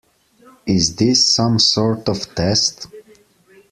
Is this some sort of test?